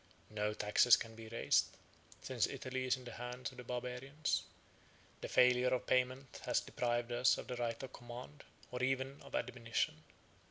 No taxes can be raised, since Italy is in the hands of the Barbarians; the failure of payment has deprived us of the right of command, or even of admonition.